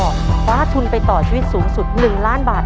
คว้าทุนไปต่อชีวิตสูงสุด๑ล้านบาท